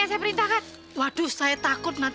ibu marah marah simpen p